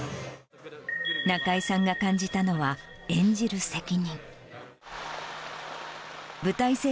中井さんが感じたのは、演じる責任。